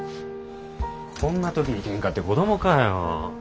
こんな時にケンカって子供かよ。